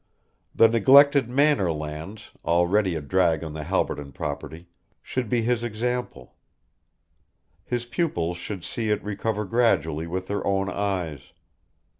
The neglected Manor lands, already a drag on the Halberton property, should be his example. His pupils should see it recover gradually with their own eyes.